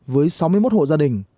với sáu mươi một hộ gia đình